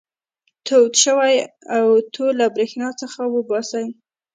تود شوی اوتو له برېښنا څخه وباسئ.